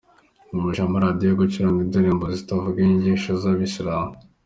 yabujije amaradiyo gucuranga indirimbo zitavuga inyigisho yacyisiramu